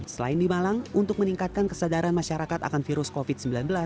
selain di malang untuk meningkatkan kesadaran masyarakat akan virus covid sembilan belas